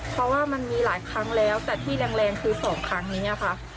เพราะว่ามันมีหลายครั้งแล้วแต่ที่แรงคือสองครั้งนี้ค่ะ